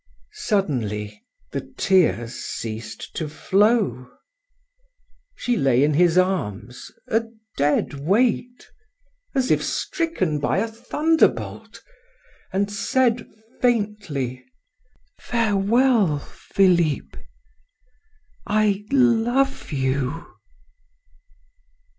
Suddenly the tears ceased to flow; she lay in his arms a dead weight, as if stricken by a thunderbolt, and said faintly: "Farewell, Philip!... I love you....